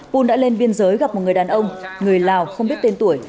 pun đã lên biên giới gặp một người đàn ông người lào không biết tên tuổi